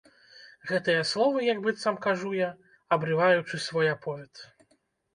Гэтыя словы як быццам кажу я, абрываючы свой аповед.